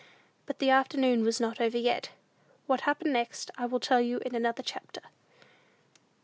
But the afternoon was not over yet. What happened next, I will tell you in another chapter.